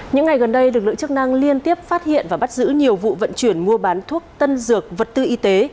những ngày gần đây lực lượng chức năng liên tiếp phát hiện và bắt giữ nhiều vụ vận chuyển mua bán thuốc tân dược vật tư y tế